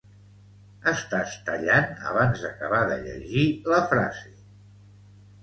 Estàs tallant abans d'acabar de llegir la frase